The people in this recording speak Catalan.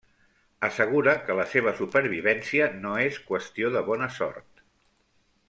Assegura que la seva supervivència no és qüestió de bona sort.